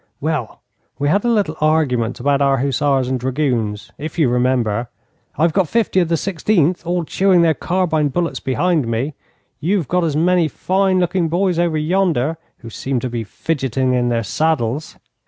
'Well, we had a little argument about our hussars and dragoons, if you remember. I've got fifty of the Sixteenth all chewing their carbine bullets behind me. You've got as many fine looking boys over yonder, who seem to be fidgeting in their saddles.